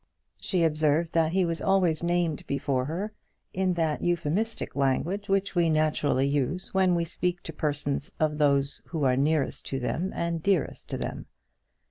She observed that he was always named before her in that euphuistic language which we naturally use when we speak to persons of those who are nearest to them and dearest to them.